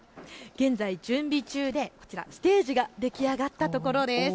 現在、準備中でこちらステージが出来上がったところです。